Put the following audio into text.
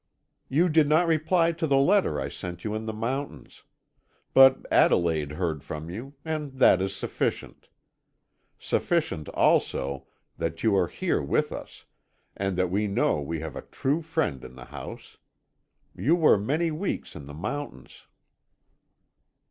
You did not reply to the letter I sent you in the mountains; but Adelaide heard from you, and that is sufficient. Sufficient, also, that you are here with us, and that we know we have a true friend in the house. You were many weeks in the mountains."